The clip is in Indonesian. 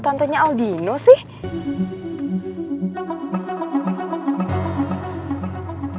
siapa tuh penjualanf cerita disini